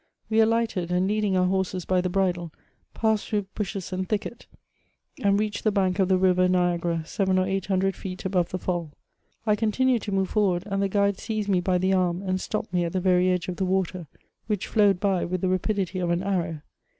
We alighted, and leading our horses by the bridle, passed through bushes and thicket, and reached the bank of the river IS^agara, seven or eight hundred feet above the Fall. I continued to move forward, and the guide seized me by the arm, and stopped me at the very edge of the water, which flowed by with the ra pidity of an arrow.'